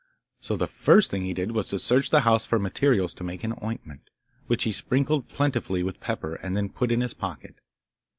So the first thing he did was to search the house for materials to make an ointment, which he sprinkled plentifully with pepper and then put in his pocket.